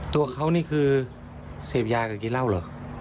ตัวเขานี่คือเสพยากับกินเหล้าเหรอ